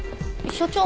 所長